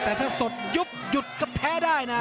แต่ถ้าสดยุบหยุดก็แพ้ได้นะ